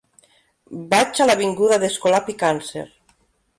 Vaig a l'avinguda d'Escolapi Càncer.